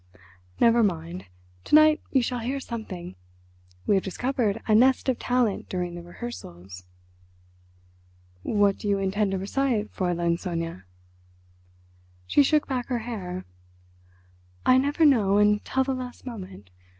Never mind! To night you shall hear something—we have discovered a nest of talent during the rehearsals." "What do you intend to recite, Fräulein Sonia?" She shook back her hair. "I never know until the last moment.